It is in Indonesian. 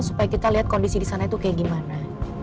supaya kita liat kondisi disana tuh kayak gimana